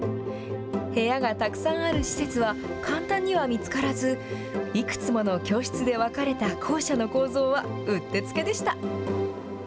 部屋がたくさんある施設は、簡単には見つからず、いくつもの教室で分かれた校舎の構造は、うってつけでした。